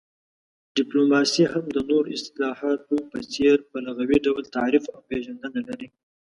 ډيپلوماسي هم د نورو اصطلاحاتو په څير په لغوي ډول تعريف او پيژندنه لري